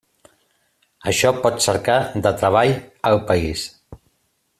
Això pot cercar de treball al país.